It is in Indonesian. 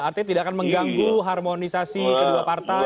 artinya tidak akan mengganggu harmonisasi kedua partai